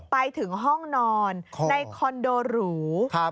ไปถึงห้องนอนในคอนโดหรู